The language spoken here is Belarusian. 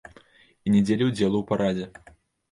І не дзеля ўдзелу ў парадзе.